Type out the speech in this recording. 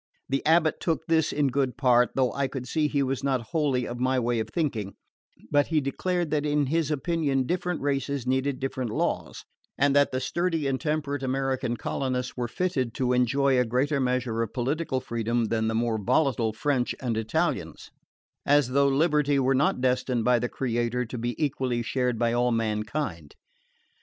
The abate took this in good part, though I could see he was not wholly of my way of thinking; but he declared that in his opinion different races needed different laws, and that the sturdy and temperate American colonists were fitted to enjoy a greater measure of political freedom than the more volatile French and Italians as though liberty were not destined by the Creator to be equally shared by all mankind!